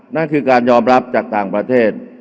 นั่นคือการยอมรับจากต่างประเทศ